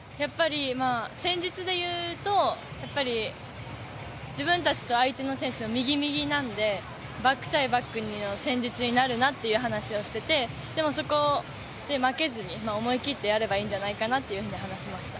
戦術でいうと、自分たちと相手の選手、右・右なのでバック対バックの戦術になるなって話をしてて、でもそこで負けずに思い切ってやればいいんじゃないかなって話しました。